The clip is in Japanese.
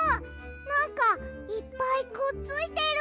なんかいっぱいくっついてる！